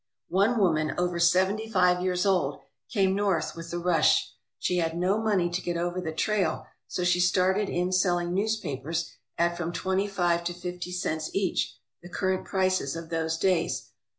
One woman over seventy five years old came north with the rush. She had no money to get over the trail, so she started in selling newspapers at from twenty five to fifty cents each, the current prices of those days.